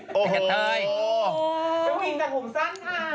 นี่แต่เถยโอ้โฮเอ้า